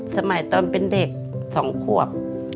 สมัยตอนเป็นเด็ก๒ขวบ